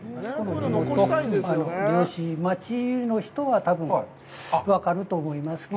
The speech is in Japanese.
地元の漁師町の人は分かると思いますけど。